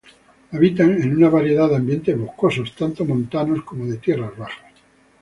Habitan en una variedad de ambientes boscosos, tanto montanos como de tierras bajas.